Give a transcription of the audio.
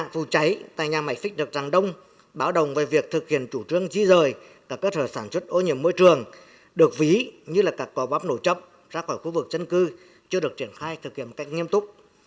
vụ cháy tại nhà máy xích được rằng đông báo đồng về việc thực hiện chủ trương di rời các cơ sở sản xuất ô nhiễm môi trường được ví như là các quả bắp nổ chấp ra khỏi khu vực chân cư chưa được triển khai thực hiện một cách nghiêm túc